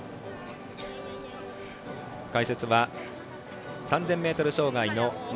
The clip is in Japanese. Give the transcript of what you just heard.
解説は３０００ｍ障害の元